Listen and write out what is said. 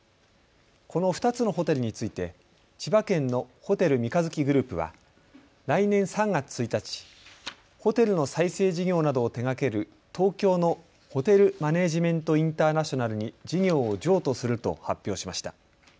この２つのホテルについて千葉県のホテル三日月グループは来年３月１日、ホテルの再生事業などを手がける東京のホテルマネージメントインターナショナルに事業を譲渡すると発表しました。